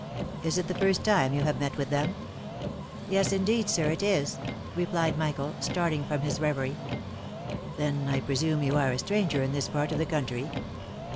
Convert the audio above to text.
Is it the first time you have met with them?" " Yes, indeed, sir, it is," replied Michael, starting from his revery. " Then I presume you are a stranger in this part of the country